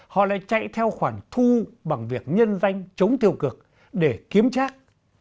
họ lại chạy theo khoản thu bằng việc nhân danh chống tiêu cực để kiếm trác